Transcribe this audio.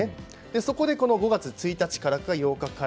そこで、５月１日からか８日から。